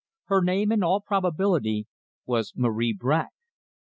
Her name, in all probability, was Marie Bracq!